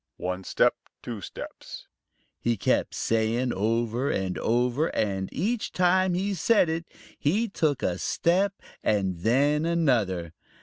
"One step, two steps," he kept saying over and over, and each time he said it, he took a step and then another.